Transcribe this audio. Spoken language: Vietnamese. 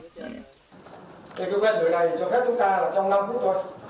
cái quen dưới này cho phép chúng ta trong năm phút thôi